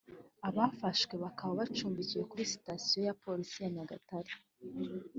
abafashwe bakaba bacumbikiwe kuri sitasiyo ya Polisi ya Nyagatare